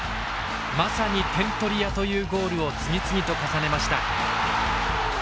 まさに点取り屋というゴールを次々と重ねました。